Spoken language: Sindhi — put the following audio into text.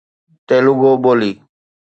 تيلوگو ٻولي